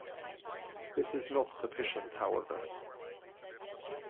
This is not sufficient, however.